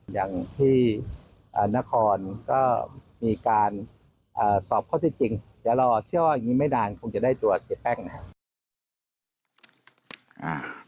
อย่างที่นครก็มีการสอบข้อที่จริงเดี๋ยวเราเชื่อว่าอย่างนี้ไม่นานคงจะได้ตัวเสียแป้งนะครับ